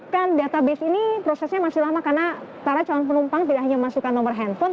kan database ini prosesnya masih lama karena para calon penumpang tidak hanya memasukkan nomor handphone